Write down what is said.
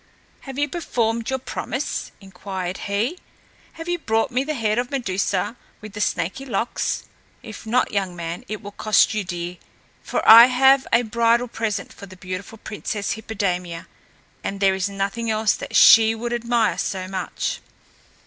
"Have you performed your promise?" inquired he. "Have you brought me the head of Medusa with the snaky locks? If not, young man, it will cost you dear; for I must have a bridal present for the beautiful Princess Hippodamia and there is nothing else that she would admire so much."